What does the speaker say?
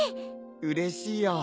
うれしいよ。